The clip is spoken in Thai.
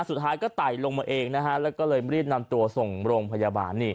สุดท้ายก็ไต่ลงมาเองนะฮะแล้วก็เลยรีบนำตัวส่งโรงพยาบาล